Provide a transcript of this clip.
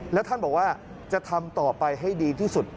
แล้วท่านบอกว่าจะทำต่อไปให้ดีที่สุด